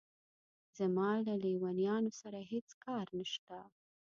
زما له لېونیانو سره هېڅ کار نشته.